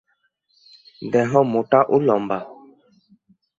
দেহ মোটা ও লম্বা।